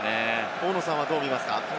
大野さんはどうですか？